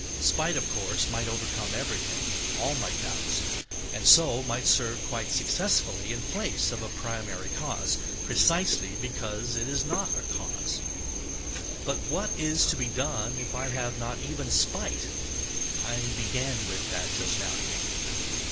Spite, of course, might overcome everything, all my doubts, and so might serve quite successfully in place of a primary cause, precisely because it is not a cause. But what is to be done if I have not even spite (I began with that just now, you know).